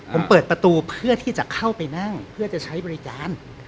ผมเปิดประตูเพื่อที่จะเข้าไปนั่งเพื่อจะใช้บริการ